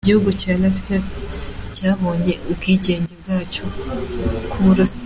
Igihugu cya Latvia cyabonye ubwigenge bwacyo ku burusiya.